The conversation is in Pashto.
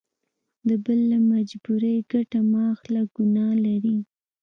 د بل له مجبوري ګټه مه اخله ګنا لري.